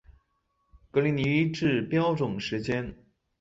格林尼治标准时间